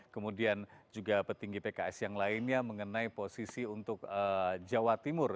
kemudian juga petinggi pks yang lainnya mengenai posisi untuk jawa timur